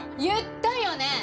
言ったよね？